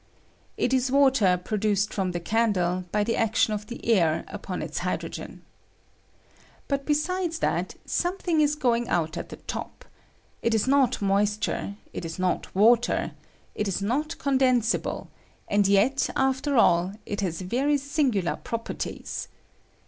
It is water produced from the candle by the action of the air upon its hydrogen. But, besides that, some thing is going out at the top : it is not moist ure — it is not water — it is not condenaible; and yet, after all, it has very singular proper ties.